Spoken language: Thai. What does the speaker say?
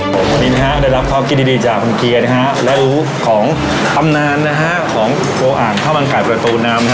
ผมวันนี้นะฮะได้รับความคิดดีจากคุณเกียร์นะฮะและของตำนานของโพอ่างข้าวมันไก่ประตูน้ำ